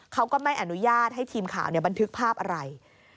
เขาก็ไม่อนุญาตให้ทีมข่าวบันทึกภาพอะไร